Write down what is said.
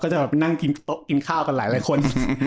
จะนั่งกินข้ากันหลายคน